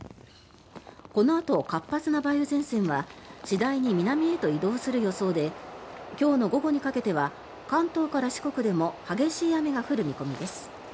このあと活発な梅雨前線は次第に南へと移動する予想で今日の午後にかけては関東から四国でも激しい雨が降る見込みです。